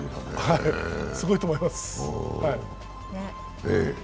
すごいと思います。